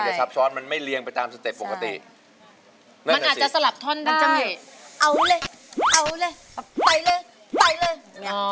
เอาเลยเอาเลยไปเลยไปเลย